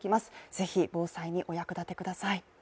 ぜひ、防災にお役立てください。